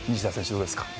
どうですか。